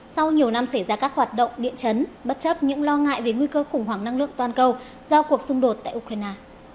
sau nhiều năm xảy ra các hoạt động địa chấn bất chấp những lo ngại về nguy cơ khủng hoảng năng lượng toàn cầu do cuộc xung đột tại ukraine